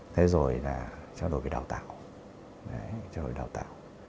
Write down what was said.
thế rồi là trao đổi về đào tạo